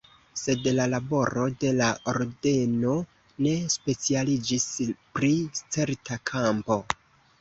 Sed la laboro de la ordeno ne specialiĝis pri certa kampo.